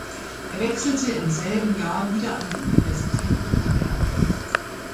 Er wechselte im selben Jahr wieder an die Universität Wittenberg.